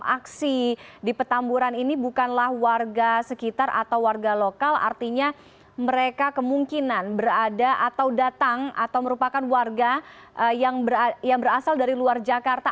aksi di petamburan ini bukanlah warga sekitar atau warga lokal artinya mereka kemungkinan berada atau datang atau merupakan warga yang berasal dari luar jakarta